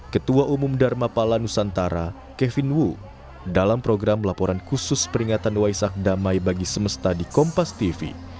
ketua umum dharma pala nusantara kevin wu dalam program laporan khusus peringatan waisak damai bagi semesta di kompas tv